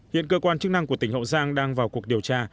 hiện cơ quan chức năng của tỉnh hậu giang đang vào cuộc điều tra